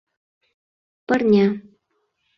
Пырня...